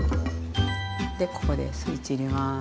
でここでスイッチ入れます。